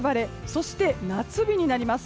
そして夏日になります。